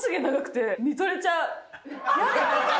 やだ。